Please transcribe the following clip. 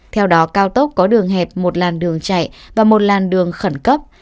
theo đó cao tốc có đường hẹp một làn đường chạy và một làn đường khẩn cấp